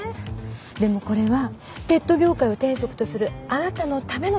でもこれはペット業界を天職とするあなたのための仕事だと思うの。